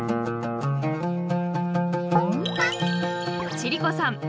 千里子さん